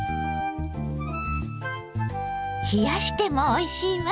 冷やしてもおいしいわ。